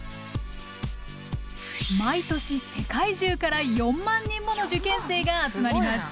毎年世界中から４万人もの受験生が集まります。